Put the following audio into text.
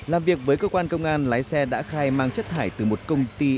làm việc với cơ quan công an lái xe đã khai mang chất thải từ một công ty